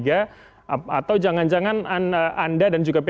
atau jangan jangan anda dan juga p tiga